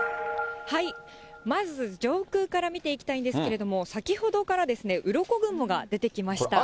まず上空から見ていきたいんですけど、先ほどから、うろこ雲が出てきました。